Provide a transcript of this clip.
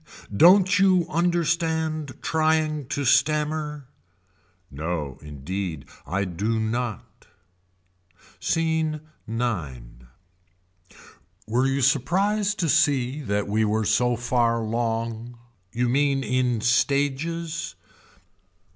Don't you understand trying to stammer. No indeed I do not. Scene IX. Were you surprised to see that we were so far long. You mean in stages.